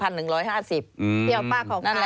เดี๋ยวป้าขอค้างหน่อย